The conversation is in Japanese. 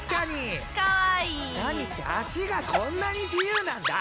何って足がこんなに自由なんだ！